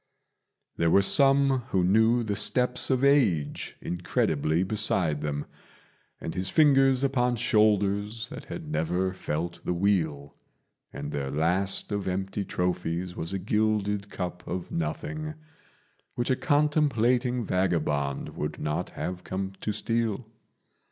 There were some who knew the steps of Age incredibly beside them, And his fingers upon shoulders that had never felt the wheel; And their last of empty trophies was a gilded cup of nothing, Which a contemplating vagabond would not have come to steal.